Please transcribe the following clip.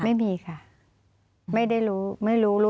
ไม่มีค่ะไม่ได้รู้